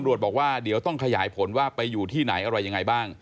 บอกว่าเดี๋ยวต้องขยายผลว่าไปอยู่ที่ไหนอะไรยังไงบ้าง